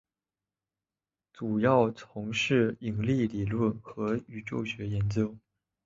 主要从事引力理论和宇宙学研究。